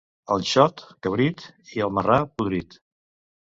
El xot, cabrit, i, el marrà, podrit.